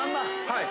はい。